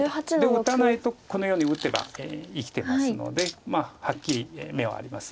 打たないとこのように打てば生きてますのではっきり眼はあります。